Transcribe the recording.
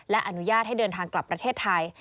และอนุญาตให้เดินทางกลับประเทศไทย